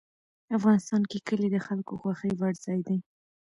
افغانستان کې کلي د خلکو خوښې وړ ځای دی.